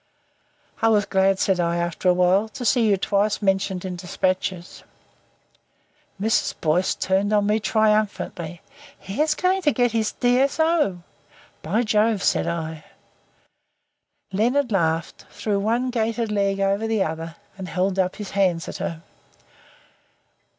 "I was glad," said I, after a while, "to see you twice mentioned in dispatches." Mrs. Boyce turned on me triumphantly. "He is going to get his D. S. O." "By Jove!" said I. Leonard laughed, threw one gaitered leg over the other and held up his hands at her.